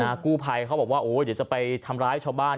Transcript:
กู้ภัยเขาบอกว่าโอ้ยเดี๋ยวจะไปทำร้ายชาวบ้าน